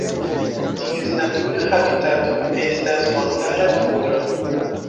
Ties natura habitato estas montara tundro.